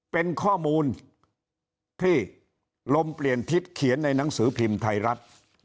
เป็นข้อมูลที่ลมเปลี่ยนทิศเขียนในหนังสือพิมพ์ไทยรัฐ